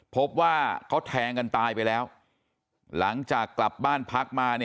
พบว่าเขาแทงกันตายไปแล้วหลังจากกลับบ้านพักมา